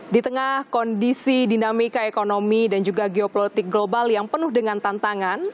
di tengah kondisi dinamika ekonomi dan juga geoplotik global yang penuh dengan tantangan